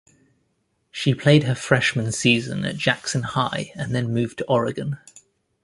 She played her freshman season at Jackson High and then moved to Oregon.